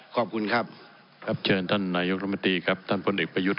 ขอบคุณครับครับเชิญท่านนายกรมตรีครับท่านพลเอกประยุทธ์